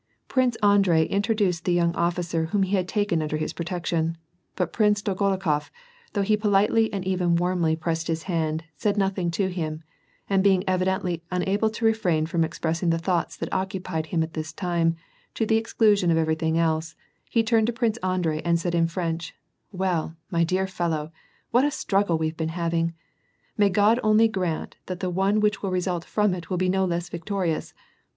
Prince Andrei introduced the young officer, whom he had taken under his protection, but Prince Dolgo rukof, though he politely and even warmly pressed his hand, said nothing to him, and being evidently unable to refrain from expressing the thoughts that occupied him at this time to the exclusion of everything else, turned to Prince Andrei and said in French, "Well, my dear fellow, what a struggle weVe been having ! May God only grant that the one w&ch will result from it will be no less victorious